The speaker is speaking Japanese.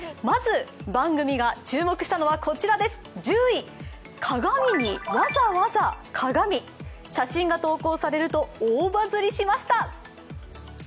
まず、番組が注目したのはこちらです、１０位鏡にわざわざ「鏡」、写真が投稿されると大バズりしました。